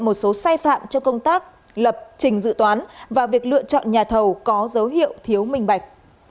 một số sai phạm trong công tác lập trình dự toán và việc lựa chọn nhà thầu có dấu hiệu thiếu minh bạch